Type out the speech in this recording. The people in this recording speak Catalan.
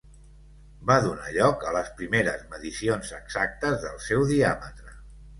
Van donar lloc a les primeres medicions exactes del seu diàmetre.